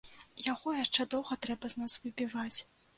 Яго яшчэ доўга трэба з нас выбіваць.